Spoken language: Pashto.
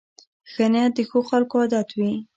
ښه نیت د ښو خلکو عادت وي.